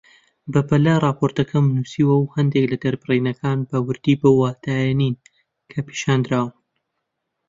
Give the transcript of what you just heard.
بەپەلە راپۆرتەکەم نووسیوە و هەندێک لە دەربڕینەکان بە وردی بەو واتایە نین کە پیشاندراون